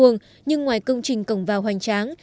nhưng ngoài công trình cổng vào hoành tráng